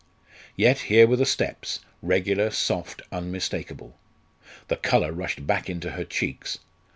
Yet here were the steps regular, soft, unmistakable. The colour rushed back into her cheeks!